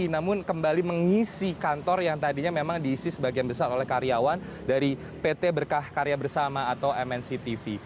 namun kembali mengisi kantor yang tadinya memang diisi sebagian besar oleh karyawan dari pt berkah karya bersama atau mnctv